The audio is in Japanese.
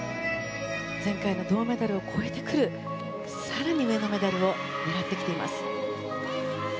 前回の銅メダルを超えてくる更に上のメダルを狙ってきています。